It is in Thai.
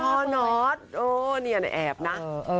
พ่อน็อตเนี่ยอันแอบนะ